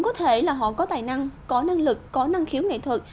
có thể là họ có tài năng có năng lực có năng khiếu nghệ thuật